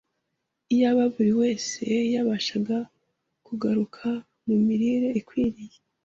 Iyaba buri wese yabashaga kugaruka ku mirire ikwiriye,